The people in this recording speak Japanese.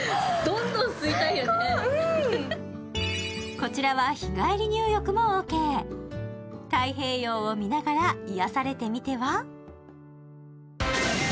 うんこちらは日帰り入浴もオーケー太平洋を見ながら癒やされてみては？